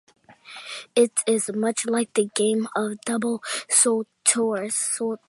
It is much like the game of double solitaire.